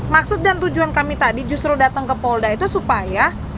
maksud dan tujuan kami tadi justru datang ke polda itu supaya